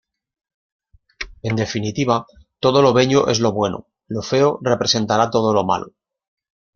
En definitiva, todo lo bello es lo bueno, lo feo representará todo lo malo.